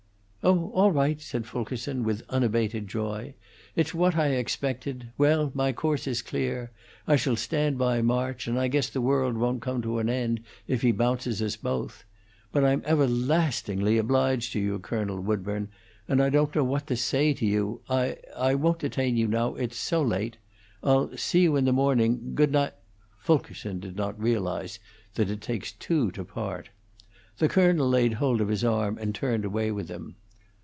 "Oh, all right," said Fulkerson, with unabated joy. "It's what I expected. Well, my course is clear; I shall stand by March, and I guess the world won't come to an end if he bounces us both. But I'm everlastingly obliged to you, Colonel Woodburn, and I don't know what to say to you. I I won't detain you now; it's so late. I'll see you in the morning. Good ni " Fulkerson did not realize that it takes two to part. The colonel laid hold of his arm and turned away with him.